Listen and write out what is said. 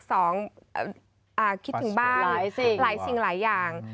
คิดถึงบ้านหลายสิ่งหลายอย่าง